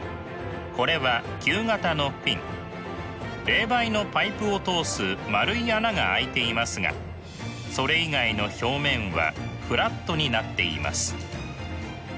冷媒のパイプを通す円い穴が開いていますがそれ以外の表面はフラットになっています。